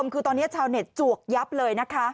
คือตอนนี้ชาวเน็ตจวกยับเลยนะคะ